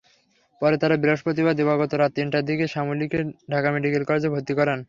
পরে তাঁরা বৃহস্পতিবার দিবাগত রাত তিনটার দিকে শ্যালিকাকে ঢাকা মেডিকেলে ভর্তি করান।